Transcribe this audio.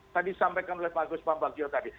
tadi disampaikan oleh pak agus pambagio tadi